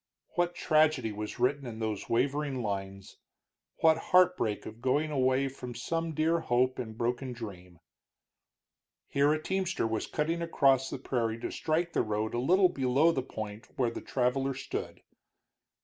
What tragedy was written in those wavering lines; what heartbreak of going away from some dear hope and broken dream! Here a teamster was cutting across the prairie to strike the road a little below the point where the traveler stood.